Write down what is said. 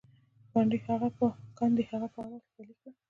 ګاندي هغه په عمل کې پلي کړه.